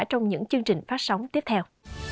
trong những chương trình phát sóng tiếp theo